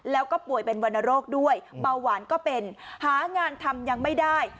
แล้วก็ป่วยเป็นวรรณโรคด้วยเบาหวานก็เป็นหางานทำยังไม่ได้